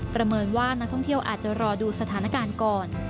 ประเมินว่านักท่องเที่ยวอาจจะรอดูสถานการณ์ก่อน